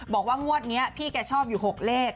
บอกว่างวดนี้พี่แกชอบอยู่๖เลข